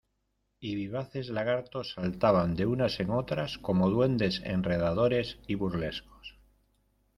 y vivaces lagartos saltaban de unas en otras como duendes enredadores y burlescos.